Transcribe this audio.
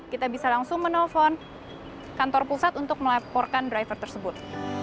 kita bisa langsung menelpon kantor pusat untuk melaporkan driver tersebut